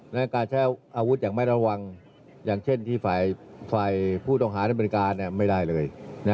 และการใช้อาวุธอย่างไม่ระวังอย่างเช่นที่ฝ่ายผู้ต้องหาในบริการไม่ได้เลย